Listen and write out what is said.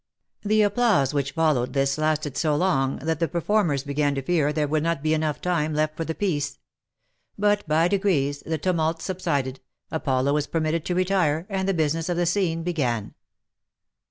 The applause which followed this lasted so long, that the performers began to fear there would not be time enough left for the piece. But OF MICHAEL ARMSTRONG. 103 by degrees the tumult subsided, Apollo was permitted to retire, and the business of the scene began.